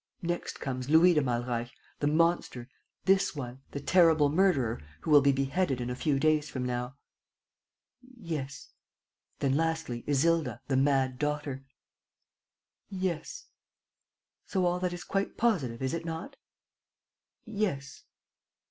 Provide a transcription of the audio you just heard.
"Next comes Louis de Malreich, the monster, this one, the terrible murderer who will be beheaded in a few days from now." "Yes." "Then, lastly, Isilda, the mad daughter. ..." "Yes." "So all that is quite positive, is it not?" "Yes."